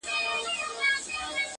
خداى پاماني كومه!